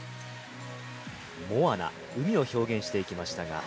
Ｍｏａｎａ、海を表現していきましたが。